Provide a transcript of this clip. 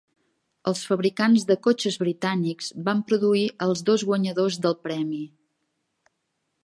Els fabricants de cotxes britànics van produir els dos guanyadors del premi.